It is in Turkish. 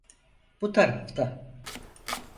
Bu tarafta!